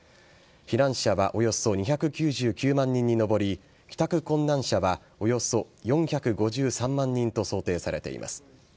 避難者はおよそ２９９万人に上り帰宅困難者はおよそ４５３万人と想定されています。